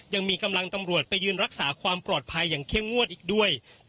ยังมีกำลังตำรวจไปยืนรักษาความปลอดภัยอย่างเข้มงวดอีกด้วย